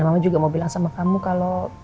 dan mama juga mau bilang sama kamu kalau